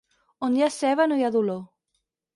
On hi ha ceba no hi ha dolor.